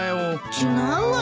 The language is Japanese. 違うわよ。